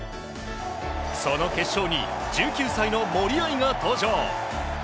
その決勝に１９歳の森秋彩が登場。